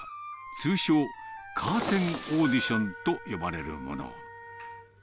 通称、カーテンオーディションと呼ばれるもの。